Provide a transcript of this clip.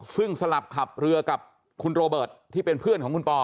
ซึ่งสลับขับเรือกับคุณโรเบิร์ตที่เป็นเพื่อนของคุณปอ